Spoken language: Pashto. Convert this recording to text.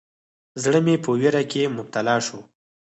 زړه مې په ویره کې مبتلا شو.